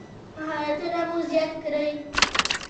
مهارتونه مو زیات کړئ